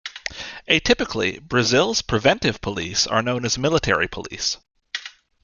Atypically, Brazil's preventive police are known as Military Police.